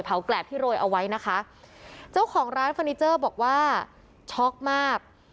แกรบที่โรยเอาไว้นะคะเจ้าของร้านเฟอร์นิเจอร์บอกว่าช็อกมาก